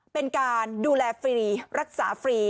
เป็นการดูแลฟรีรักษาฟรี